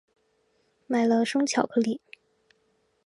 买了生巧克力